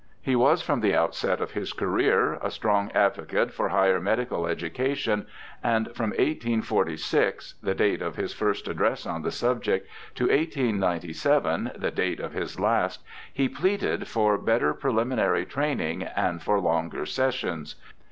He was from the outset of his career a strong advocate for higher medical education, and from 1846 the date of his first address on the subject — to 1897 — the date of his last — he pleaded for better preliminary training and for longer sessions.